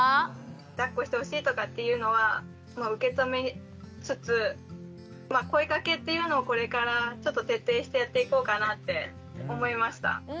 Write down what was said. だっこしてほしいとかっていうのは受け止めつつ声かけっていうのをこれからちょっと徹底してやっていこうかなって思いました。